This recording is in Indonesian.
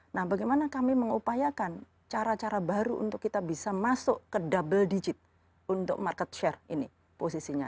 nah bagaimana kami mengupayakan cara cara baru untuk kita bisa masuk ke double digit untuk market share ini posisinya